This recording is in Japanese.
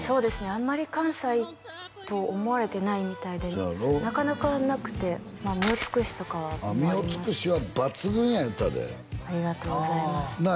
あんまり関西と思われてないみたいでなかなかなくて「みをつくし」とかは「みをつくし」は抜群や言うてたでありがとうございますなあ